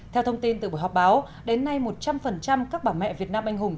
theo thông tin từ buổi họp báo đến nay một trăm linh các bà mẹ việt nam anh hùng